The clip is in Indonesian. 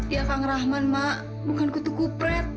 iya kank rahman mak bukan ketukupret